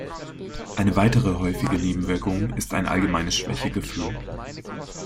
Eine weitere häufige Nebenwirkung ist ein allgemeines Schwächegefühl.